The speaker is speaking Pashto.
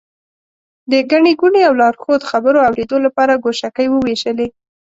د ګڼې ګوڼې او لارښود خبرو اورېدو لپاره ګوشکۍ ووېشلې.